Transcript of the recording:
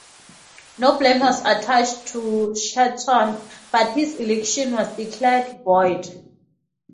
No blame was attached to Shenton, but his election was declared void.